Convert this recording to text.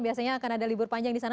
biasanya akan ada libur panjang di sana